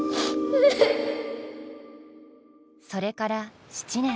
それから７年。